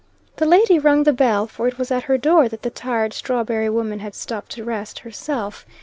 The lady rung the bell, for it was at her door that the tired strawberry woman had stopped to rest herself.